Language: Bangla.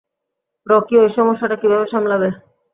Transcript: রকি, ঐ সমস্যাটা কীভাবে সামলাবে?